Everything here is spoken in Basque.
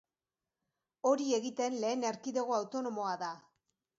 Hori egiten lehen erkidego autonomoa da.